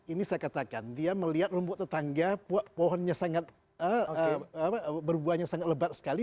ini saya katakan dia melihat rumput tetangga pohonnya sangat berbuahnya sangat lebat sekali